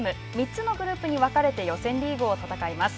３つのグループに分かれて予選リーグを戦います。